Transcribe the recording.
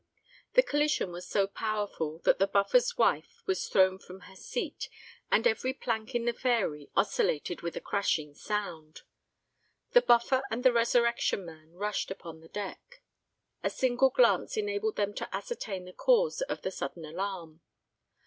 The collision was so powerful that the Buffer's wife was thrown from her seat; and every plank in the Fairy oscillated with a crashing sound. The Buffer and the Resurrection Man rushed upon the deck. A single glance enabled them to ascertain the cause of the sudden alarm.